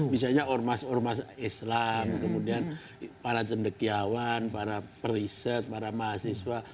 bisa urmas urmas islam para cendekiawan para periset para mahasiswa